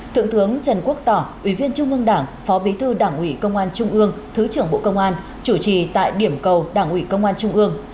thượng tướng trần quốc tỏ ủy viên trung ương đảng phó bí thư đảng ủy công an trung ương thứ trưởng bộ công an chủ trì tại điểm cầu đảng ủy công an trung ương